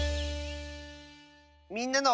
「みんなの」。